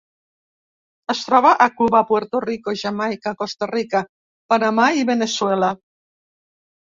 Es troba a Cuba, Puerto Rico, Jamaica, Costa Rica, Panamà i Veneçuela.